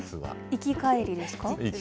行き帰りですか？